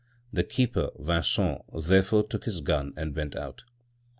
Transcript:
The keeper, Vincent, therefore took his gun and went out.